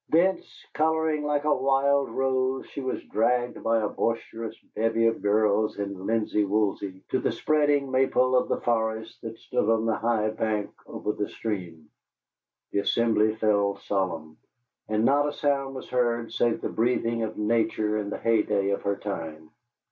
Thence, coloring like a wild rose, she was dragged by a boisterous bevy of girls in linsey woolsey to the spreading maple of the forest that stood on the high bank over the stream. The assembly fell solemn, and not a sound was heard save the breathing of Nature in the heyday of her time.